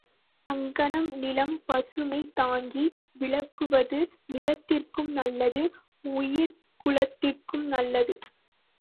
அங்ஙணம் நிலம் பசுமை தாங்கி விளங்குவது நிலத்திற்கும் நல்லது உயிர்க் குலத்திற்கும் நல்லது.